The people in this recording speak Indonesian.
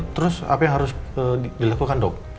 terus apa yang harus dilakukan dok